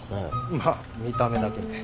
まあ見た目だけね。